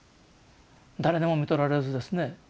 誰にもみとられずですね